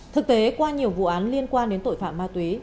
thực tế qua nhiều vụ án liên quan đến tội phạm ma túy